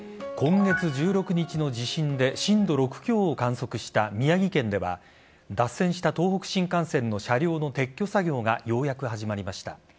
今月１６日の地震で震度６強を観測した宮城県では脱線した東北新幹線の車両の撤去作業がようやく始まりました。